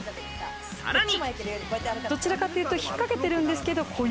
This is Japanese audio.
さらに。